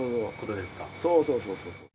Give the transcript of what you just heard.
そうそうそうそう。